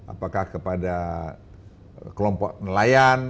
apakah kepada kelompok nelayan